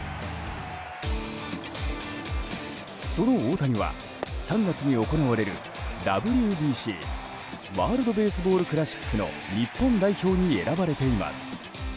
その大谷は３月に行われるＷＢＣ・ワールド・ベースボール・クラシックの日本代表に選ばれています。